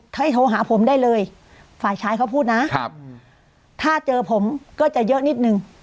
ให้โทรหาผมได้เลยฝ่ายชายเขาพูดนะครับถ้าเจอผมก็จะเยอะนิดนึง